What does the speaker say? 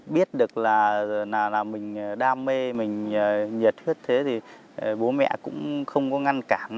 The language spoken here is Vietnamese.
biết được là giờ nào là mình đam mê mình nhiệt huyết thế thì bố mẹ cũng không có ngăn cản